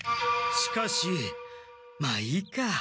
しかしまあいいか。